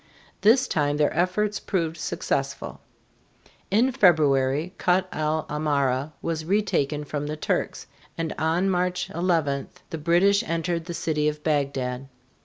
This time their efforts proved successful. In February, Kut el Amara was retaken from the Turks, and on March 11 the British entered the city of Bagdad.